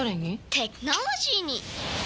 テクノロジーに！